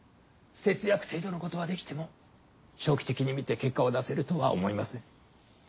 節約程度のことはできても長期的に見て結果を出せるとは思えません。